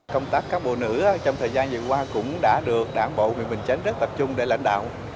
công tác các bộ nữ trong thời gian vừa qua cũng đã được đảng bộ huyện bình chánh rất tập trung để lãnh đạo